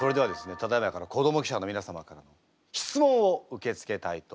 ただいまから子ども記者の皆様からの質問を受け付けたいと思います。